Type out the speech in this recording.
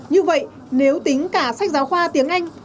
như vậy nếu tính cả sách giáo khoa tiếng anh